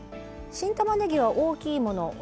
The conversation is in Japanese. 新たまねぎは大きいもの